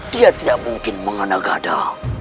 dia tidak mungkin mengena gada